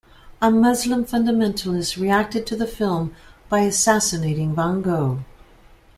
A Muslim fundamentalist reacted to the film by assassinating Van Gogh.